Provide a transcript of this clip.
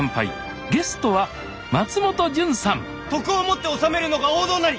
徳をもって治めるのが王道なり！